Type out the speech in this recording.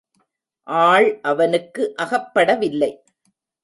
ஆள் அவனுக்கு அகப்படவில்லை.